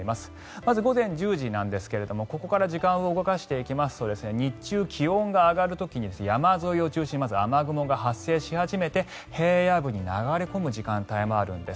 まず午前１０時ですがここから時間を動かすと日中、気温が上がる時に山沿いを中心にまず雨雲が発生し始めて平野部に流れ込む時間帯もあるんです。